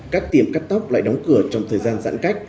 các tiệm cắt tóc lại đóng cửa trong thời gian giãn cách